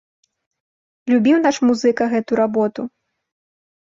Любіў наш музыка гэту работу.